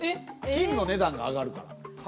金の値段が上がるから。